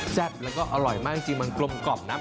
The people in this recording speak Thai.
แล้วก็อร่อยมากจริงมันกลมกล่อมนะ